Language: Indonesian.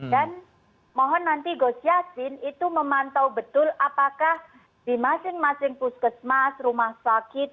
dan mohon nanti gos yassin itu memantau betul apakah di masing masing puskesmas rumah sakit